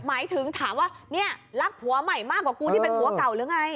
หมายถึงถามว่าเนี่ยรักผัวใหม่มากกว่ากูที่เป็นผัวเก่าหรือไง